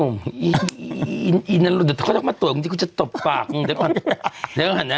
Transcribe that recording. โอ้โหนุ่มไอ้นารุ่นเดี๋ยวก็ต้องมาตรวจกูที่กูจะตบปากคุณเดี๋ยวก่อน